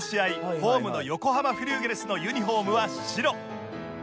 ホームの横浜フリューゲルスのユニホームは白